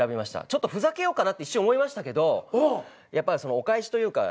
ちょっとふざけようかなって一瞬思いましたけどやっぱお返しというか。